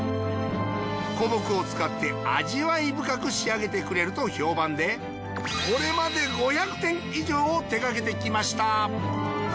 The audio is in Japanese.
古木を使って味わい深く仕上げてくれると評判でこれまで５００店以上を手掛けてきました。